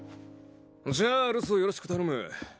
じゃあ留守をよろしく頼む。